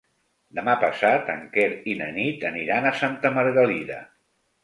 Demà passat en Quer i na Nit aniran a Santa Margalida.